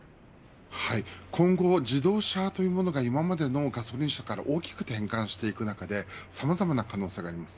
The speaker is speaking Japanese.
今後、自動車というものが今までのガソリン車から大きく転換していく中でさまざまな可能性があります